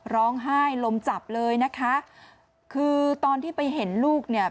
ร้องไห้ลมจับเลยนะคะคือตอนที่ไปเห็นลูกเนี่ย